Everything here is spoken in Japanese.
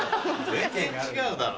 全然違うだろ。